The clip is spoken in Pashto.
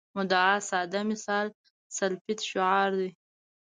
مدعا ساده مثال سلفیت شعار دی.